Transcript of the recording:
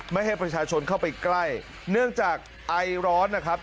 ไม่ให้ประชาชนเข้าไปใกล้เนื่องจากไอร้อนนะครับ